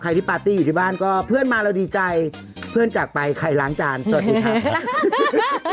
ที่ปาร์ตี้อยู่ที่บ้านก็เพื่อนมาเราดีใจเพื่อนจากไปใครล้างจานสวัสดีครับ